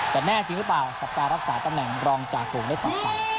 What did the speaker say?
แต่แน่จริงหรือเปล่าการรักษาตำแหน่งหลองจากห่วงได้ต่อค่ะ